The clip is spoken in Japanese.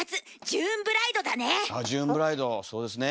ジューンブライドそうですね。